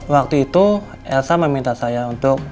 waktu itu elsa meminta saya untuk